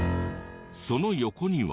その横には。